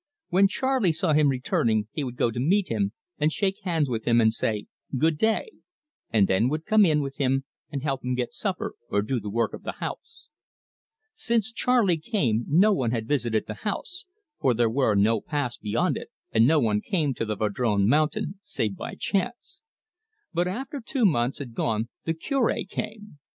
When Charley saw him returning he would go to meet him, and shake hands with him, and say "Good day," and then would come in with him and help him get supper or do the work of the house. Since Charley came no one had visited the house, for there were no paths beyond it, and no one came to the Vadrome Mountain, save by chance. But after two months had gone the Cure came.